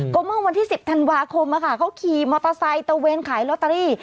ก็เมื่อวันที่๑๐ธันวาคมเขาขี่มอเตอร์ไซค์ตะเวนขายลอตเตอรี่